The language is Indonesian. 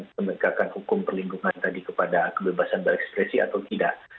memegangkan hukum perlingkungan tadi kepada kebebasan berekspresi atau tidak